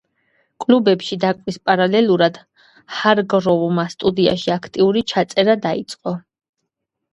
კლუბებში დაკვრის პარალელურად ჰარგროვმა სტუდიაში აქტიური ჩაწერა დაიწყო.